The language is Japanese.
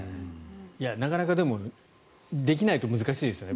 なかなか、でもできないと難しいですよね。